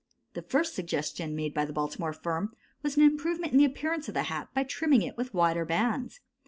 The first suggestion made by the Baltimore firm was an improvement in the appearance of the hat by trimming it with wider bands.